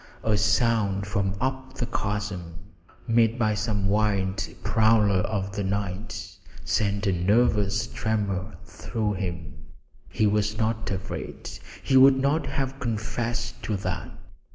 A sound from up the chasm, made by some wild prowler of the night, sent a nervous tremor through him. He was not afraid; he would not have confessed to that.